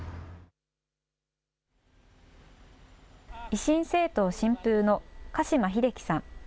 維新政党・新風の鹿島日出喜さん。